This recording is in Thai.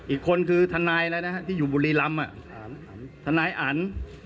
อีกคนคือทนายที่อยู่บุรีลำทนายอัน